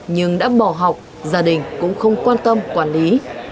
nhưng đã bỏ học gia đình cũng không quan tâm quản lý